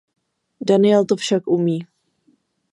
Daniel to však umí.